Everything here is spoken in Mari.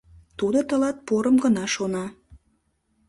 Тудо тылат порым гына шона.